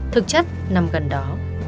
thực chất nằm gần đó